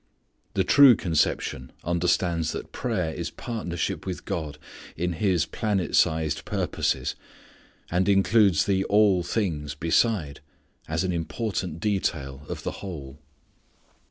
The true conception understands that prayer is partnership with God in His planet sized purposes, and includes the "all things" beside, as an important detail of the whole.